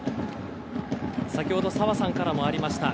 先ほど澤さんからもありました